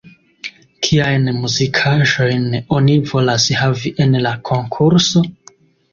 Kiajn muzikaĵojn oni volas havi en la konkurso?